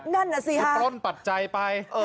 นั่นน่ะสิค่ะปล้นปัจจัยไป